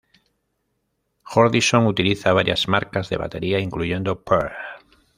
Jordison utiliza varias marcas de batería incluyendo Pearl.